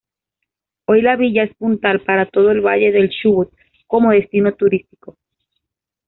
Hoy la villa es puntal para todo el Valle del Chubut como destino turístico.